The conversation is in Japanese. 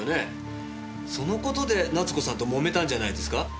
そのことで奈津子さんともめたんじゃないですか？